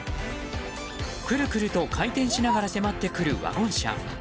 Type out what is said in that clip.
くるくると回転しながら迫ってくるワゴン車。